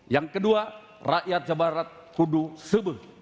yang kedua rakyat jawa barat kudu sebuh